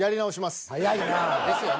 早いなぁ。ですよね。